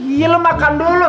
iya lo makan dulu